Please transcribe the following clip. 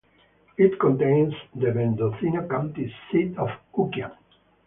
It contains the Mendocino County seat of Ukiah.